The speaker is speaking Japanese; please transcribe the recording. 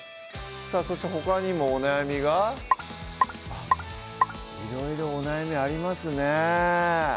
さぁそしてほかにもお悩みがいろいろお悩みありますねぇ